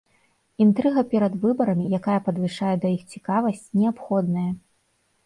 Інтрыга перад выбарамі, якая падвышае да іх цікавасць, неабходная.